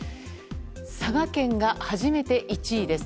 佐賀県が初めて１位です。